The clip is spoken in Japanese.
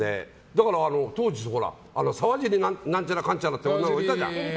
当時沢尻なんちゃらかんたらって女の子がいたじゃん。